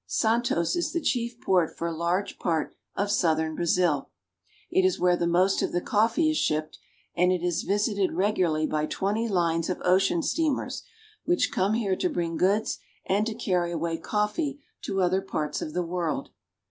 Santos is the chief port for a large part of southern Brazil. It is where the most of the coffee is shipped, and it is visited regularly by twenty lines of ocean steamers, which come here to bring goods and to carry away coffee to other parts of the world.